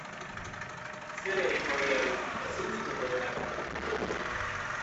Zer egingo diegu, ezin ditugu denak hartu.